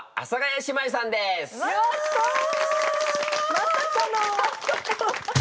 まさかの！